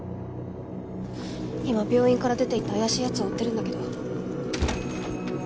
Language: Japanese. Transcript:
今病院から出ていった怪しいやつを追ってるんだけど。